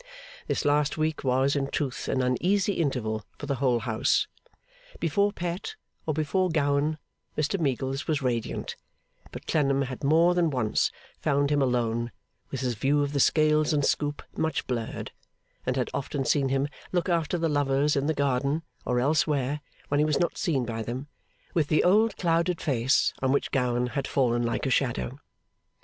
This last week was, in truth, an uneasy interval for the whole house. Before Pet, or before Gowan, Mr Meagles was radiant; but Clennam had more than once found him alone, with his view of the scales and scoop much blurred, and had often seen him look after the lovers, in the garden or elsewhere when he was not seen by them, with the old clouded face on which Gowan had fallen like a shadow.